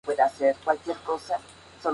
Publicó muchos estudios en la "Revista Gráfica".